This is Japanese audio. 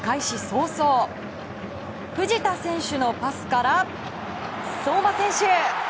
早々藤田選手のパスから相馬選手！